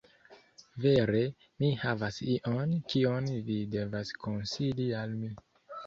Vere, mi havas ion kion vi devas konsili al mi